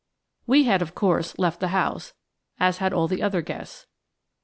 We had, of course, left the house, as had all the other guests.